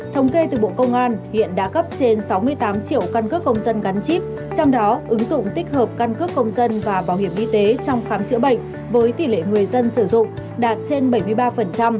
thống kê từ bộ công an hiện đã cấp trên sáu mươi tám triệu căn cước công dân gắn chip trong đó ứng dụng tích hợp căn cước công dân và bảo hiểm y tế trong khám chữa bệnh với tỷ lệ người dân sử dụng đạt trên bảy mươi ba